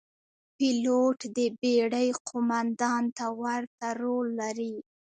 پیلوټ د بېړۍ قوماندان ته ورته رول لري.